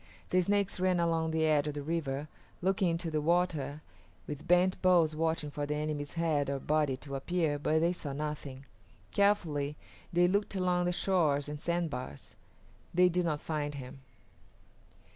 The Snakes ran along the edge of the river, looking into the water, with bent bows watching for the enemy's head or body to appear, but they saw nothing. Carefully they looked along the shores and sandbars; they did not find him.